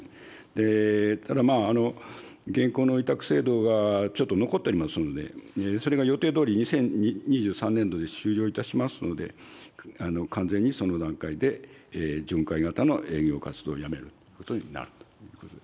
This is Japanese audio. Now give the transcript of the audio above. ただ、現行の委託制度がちょっと残っておりますので、それが予定どおり、２０２３年度で終了いたしますので、完全にその段階で、巡回型の営業活動をやめることになると。